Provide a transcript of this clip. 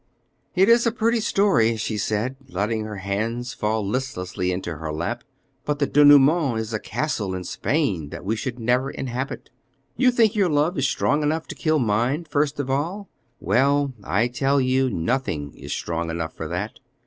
"It is a pretty story," she said, letting her hands fall listlessly into her lap, "but the denouement is a castle in Spain that we should never inhabit. You think your love is strong enough to kill mine first of all; well, I tell you, nothing is strong enough for that.